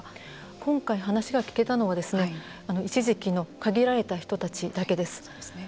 今回、話が聞けたのはですね一時期の限られた人たちだけです。